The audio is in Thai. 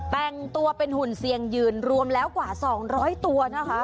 แต่งตัวเป็นหุ่นเสี่ยงยืนรวมแล้วกว่า๒๐๐ตัวนะคะ